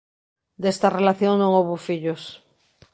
Desta relación non houbo fillos.